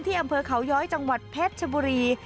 อำเภอเขาย้อยจังหวัดเพชรชบุรี